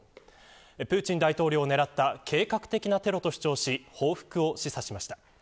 プーチン大統領を狙った計画的なテロと主張し報復を示唆しました。